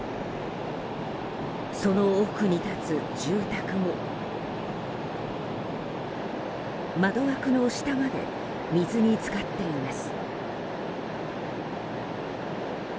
その奥に立つ住宅も窓枠の下まで水に浸かっています。